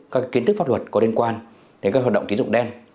các kiến thức pháp luật có liên quan đến các hoạt động tín dụng đen